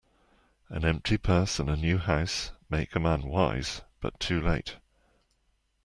An empty purse, and a new house, make a man wise, but too late.